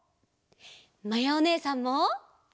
まやおねえさんも！